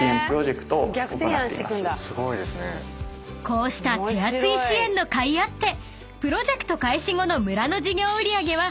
［こうした手厚い支援のかいあってプロジェクト開始後の村の事業売上は］